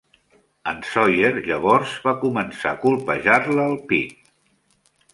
En Sawyer, llavors, va començar a colpejar-la al pit.